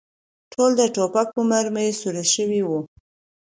ټول د ټوپک په مرمۍ سوري شوي و.